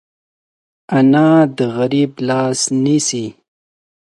انا د غریب لاس نیسي